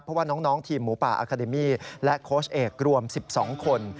เพราะว่าน้องทีมหมูป่าอาคาเดมี่และโค้ชเอกรวม๑๒คน